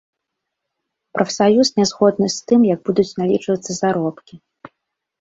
Прафсаюз не згодны з тым, як будуць налічвацца заробкі.